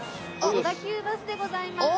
小田急バスでございまーす。